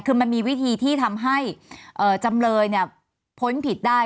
คือมันมีวิธีที่ทำให้จำเลยพ้นผิดได้